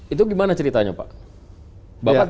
itu gimana ceritanya pak